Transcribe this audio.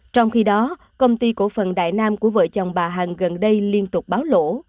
trong khi đó công ty cổ phần đại nam của vợ chồng bà hằng gần đây liên tục báo lỗ